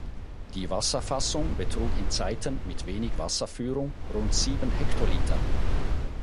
Die Wasserfassung betrug in Zeiten mit wenig Wasserführung rund sieben Hektoliter.